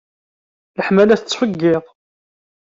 Leḥmala tettfeggiḍ.